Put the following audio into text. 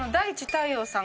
太陽さん。